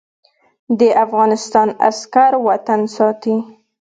د افغانستان عسکر وطن ساتي